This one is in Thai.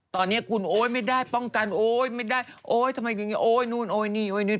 ตอนนี้คุณโอ๊ยไม่ได้ป้องกันโอ๊ยไม่ได้โอ๊ยทำไมอย่างนี้โอ๊ยนู่นโอ๊ยนี่โอ๊ยนี่